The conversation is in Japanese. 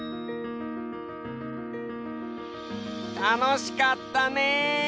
たのしかったね！